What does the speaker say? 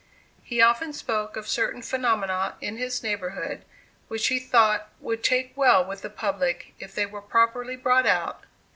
He often spoke of certain phenomena in his neighborhood, which he thought would take well with the public, if they were properly brought out.